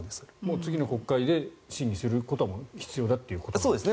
次の国会で審議することは必要だということですね。